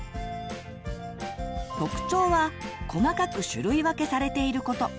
特徴は細かく種類分けされていること。